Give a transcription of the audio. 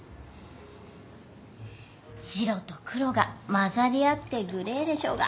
白と黒が混ざり合ってグレーでしょうが。